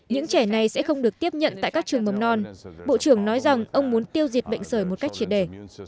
những trẻ này sẽ không được tiếp nhận tại các trường mầm non bộ trưởng nói rằng ông muốn tiêu diệt bệnh sởi một cách triệt đề